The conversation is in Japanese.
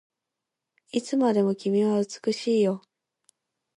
いつまでも君は美しいよ